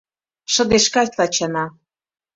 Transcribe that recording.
Шыдешка Тачана